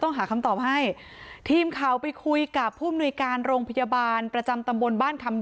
ต้องหาคำตอบให้ทิมข่าวไปคุยกับผู้อำนวยการโรงพยาบาลประจำตำบล